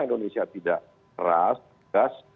indonesia tidak keras